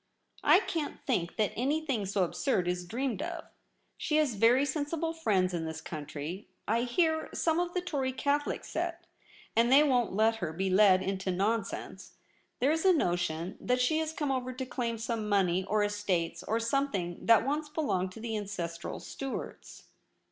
' I can't think that anything so absurd is dreamed of She has very sensible friends in this country, I hear — some of the Tory Catholic set — and they won't let her be led into non sense. There is a notion that she has come over to claim some money or estates, or some thing that once belonged to the ancestral Stuarts.'